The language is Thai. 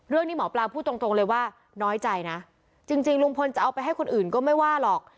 หมอปลาพูดตรงเลยว่าน้อยใจนะจริงลุงพลจะเอาไปให้คนอื่นก็ไม่ว่าหรอก